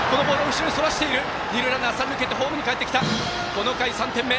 この回、３点目！